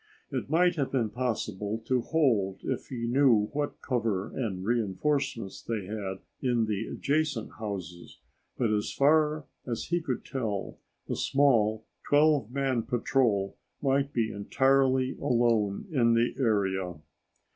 It might have been possible to hold if he knew what cover and reinforcements they had in the adjacent houses, but as far as he could tell the small, 12 man patrol might be entirely alone in the area.